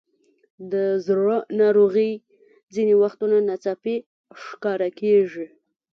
د زړه ناروغۍ ځینې وختونه ناڅاپي ښکاره کېږي.